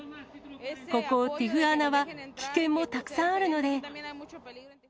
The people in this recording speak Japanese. ここティフアナは危険もたくさんあるので。